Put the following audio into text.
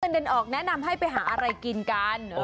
เดินออกแนะนำให้ไปหาอะไรกินกัน